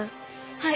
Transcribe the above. はい。